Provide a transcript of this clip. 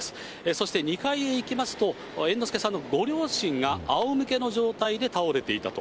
そして２階に行きますと、猿之助さんのご両親があおむけの状態で倒れていたと。